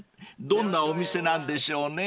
［どんなお店なんでしょうね］